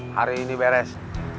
hari ini beres